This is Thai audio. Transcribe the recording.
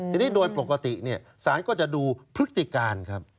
ทีนี้โดนปกติเนี่ยสารก็จะดูพฤติการครับ